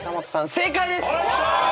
正解です。